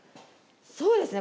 そうですね。